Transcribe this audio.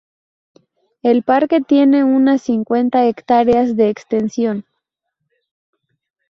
El parque tiene unas cincuenta hectáreas de extensión.